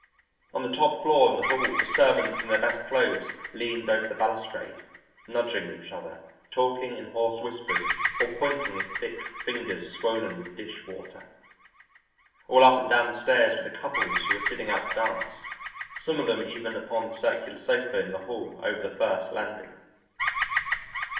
On the top floor in the hall the servants in their best clothes leaned over the balustrade, nudging each other, talking in hoarse whispers or pointing with thick fingers swollen with dish water. All up and down the stairs were the couples who were sitting out the dance, some of them even upon the circular sofa in the hall over the first landing.